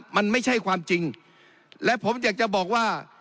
มันไม่ใช่ความจริงและผมอยากจะบอกว่า